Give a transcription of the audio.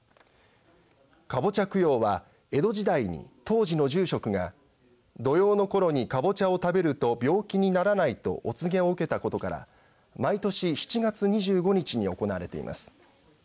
カボチャ供養は江戸時代に当時の住職が土用の頃にカボチャを食べると病気にならないとお告げを受けたことから毎年７月２５日に行われています。